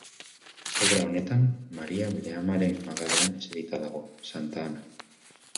Obra honetan, Maria bere amaren magalean eserita dago, Santa Ana.